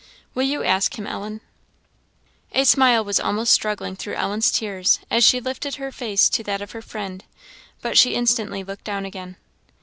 Will you ask him, Ellen?" A smile was almost struggling through Ellen's tears as she lifted her face to that of her friend, but she instantly looked down again.